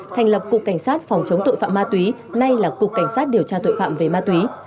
thành lập cục cảnh sát phòng chống tội phạm ma túy nay là cục cảnh sát điều tra tội phạm về ma túy